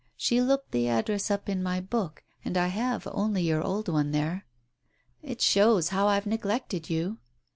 She looked the address up in my book and I have only your old one there." "It shows how I've neglected you."